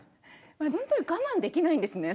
ほんとに我慢できないんですね